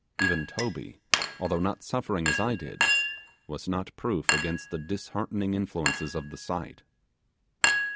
Even Toby, although not suffering as I did, was not proof against the disheartening influences of the sight.